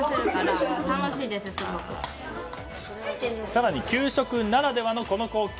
更に給食ならではのこの光景。